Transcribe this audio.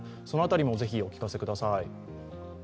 その辺りもぜひお聞かせください。